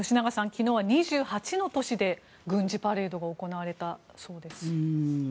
昨日は２８の都市で軍事パレードが行われたそうです。